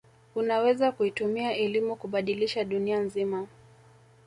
unaweza kuitumia elimu kubadilisha dunia nzima